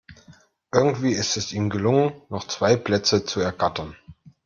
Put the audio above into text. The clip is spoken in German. Irgendwie ist es ihm gelungen, noch zwei Plätze zu ergattern.